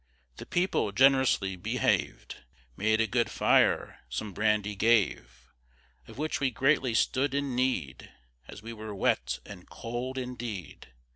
The people gen'rously behav'd, Made a good fire, some brandy gave, Of which we greatly stood in need, As we were wet and cold indeed.